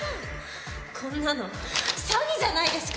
こんなの詐欺じゃないですか！